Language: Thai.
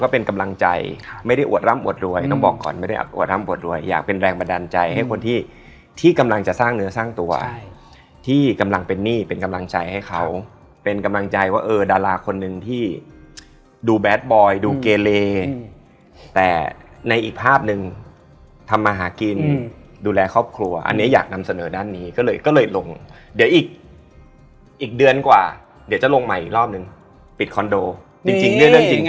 ก็มีทีวีแล้วก็มันกว้างเนอะแล้วก็มีโต๊ะแต่งหน้าแบบสั่งซ้ายมือ